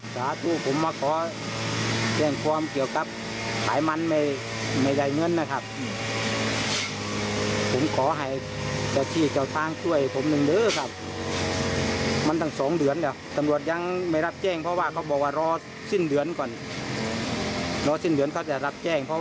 สาธุผมมาขอแจ้งความเกี่ยวกับขายมันไม่ได้เงินนะครับ